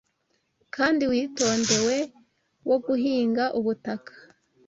kandi witondewe wo guhinga ubutaka.